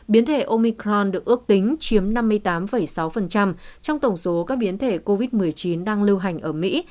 biến thể omicron được ước tính chiếm năm mươi tám sáu trong tổng số các biến thể covid một mươi chín đang lưu hành ở mỹ